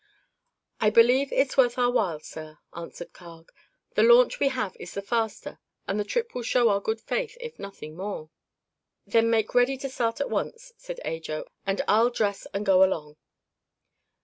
"I believe it's worth our while, sir," answered Carg. "The launch we have is the faster, and the trip will show our good faith, if nothing more." "Then make ready to start at once," said Ajo, "and I'll dress and go along."